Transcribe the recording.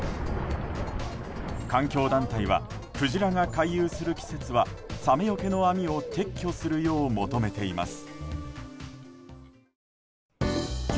環境団体はクジラが回遊する季節はサメよけの網を撤去するよう求めています。